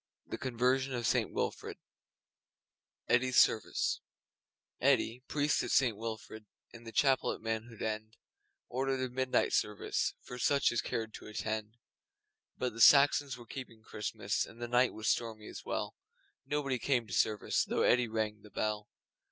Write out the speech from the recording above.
THE CONVERSION OF ST WILFRID Eddi's Service Eddi, priest of St Wilfrid In the chapel at Manhood End, Ordered a midnight service For such as cared to attend. But the Saxons were keeping Christmas, And the night was stormy as well. Nobody came to service Though Eddi rang the bell.